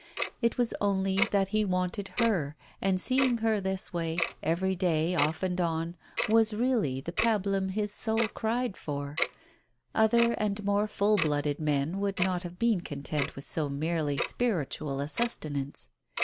It was only that he wanted her, and seeing her this way, every day off and on, was really the pabulum his soul cried for ; other and more full blooded men would not have been content with so merely spiritual a sustenance.